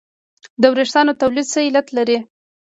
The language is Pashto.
د وېښتانو تویدل څه علت لري